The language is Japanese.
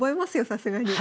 さすがに。